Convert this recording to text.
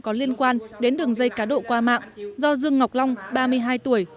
có liên quan đến đường dây cá độ qua mạng do dương ngọc long ba mươi hai tuổi